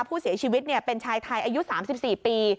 ผู้เสียชีวิตเป็นชายไทยอายุ๓๔ปี